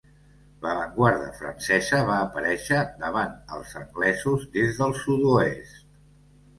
L'avantguarda francesa va aparèixer davant els anglesos des del sud-oest.